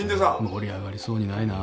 盛り上がりそうにないな。